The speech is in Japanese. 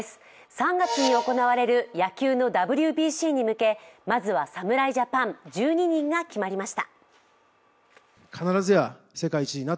３月に行われる野球のＷＢＣに向けまずは侍ジャパン、１２人が決まりました。